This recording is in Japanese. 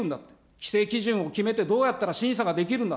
規制基準を決めて、どうやったら審査ができるんだ。